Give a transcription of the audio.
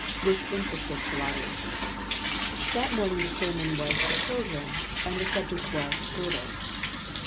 This interested Chellalu. That morning the sermon was to children, and the subject was "Girdles."